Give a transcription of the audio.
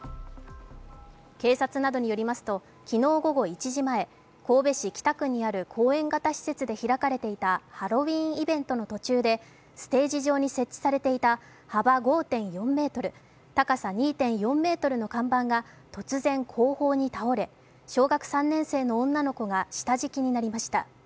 警察などによりますと、昨日午後１時前神戸市北区にある公園型施設で開かれていたハロウィーンイベントの途中でステージ上に設置されていた幅５．４ｍ、高さ２．４ｍの看板が突然後方に倒れ、小学３年生の女の子が下敷きになりました。